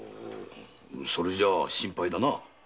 それじゃ心配だな。